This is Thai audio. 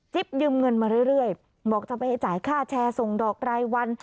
ยืมเงินมาเรื่อยบอกจะไปให้จ่ายค่าแชร์ส่งดอกรายวัน